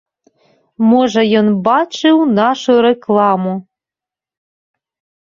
Можа ён бачыў нашую рэкламу.